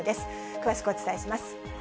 詳しくお伝えします。